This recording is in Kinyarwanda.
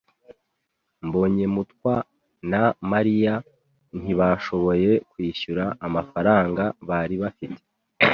Mbonyemutwa na Mariya ntibashoboye kwishyura amafaranga bari bafite.